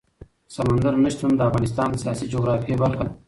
سمندر نه شتون د افغانستان د سیاسي جغرافیه برخه ده.